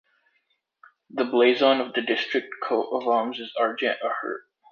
The blazon of the district coat of arms is Argent a Hurt.